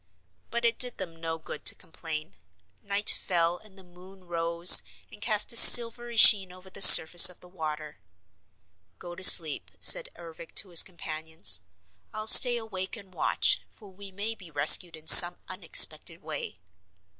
But it did them no good to complain. Night fell and the moon rose and cast a silvery sheen over the surface of the water. "Go to sleep," said Ervic to his companions. "I'll stay awake and watch, for we may be rescued in some unexpected way."